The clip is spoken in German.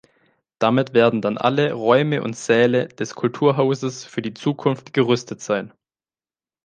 Damit werden dann alle Räume und Säle des Kulturhauses für die Zukunft gerüstet sein.